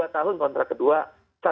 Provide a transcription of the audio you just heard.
dua tahun kontrak kedua